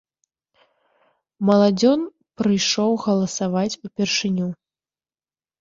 Маладзён прыйшоў галасаваць упершыню.